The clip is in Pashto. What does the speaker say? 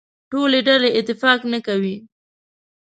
ټولې ډلې اتفاق نه کوي.